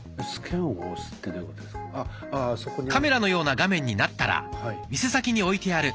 カメラのような画面になったら店先に置いてある